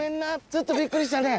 ちょっとびっくりしたね。